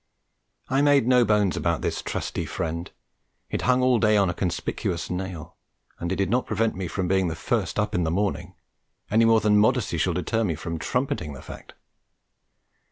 I made no bones about this trusty friend; it hung all day on a conspicuous nail; and it did not prevent me from being the first up in the morning, any more than modesty shall deter me from trumpeting the fact.